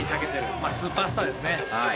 まあスーパースターですね。